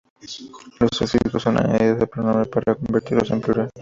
Los sufijos son añadidos al pronombre para convertirlos en plural.